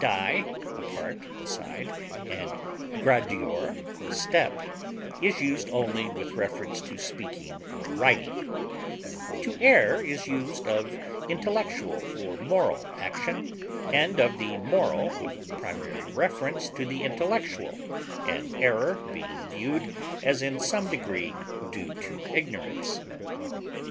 di, apart, aside, and gradior, step) is used only with reference to speaking or writing; to err is used of intellectual or moral action, and of the moral with primary reference to the intellectual, an error being viewed as in some degree due to ignorance.